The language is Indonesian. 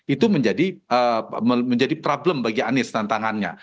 itu menjadi problem bagi anies tantangannya